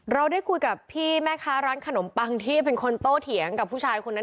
เราได้คุยกับพี่แม่ค้าร้านขนมปังที่เป็นคนโตเถียงกับผู้ชายคนนั้น